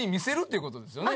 いうことですよね？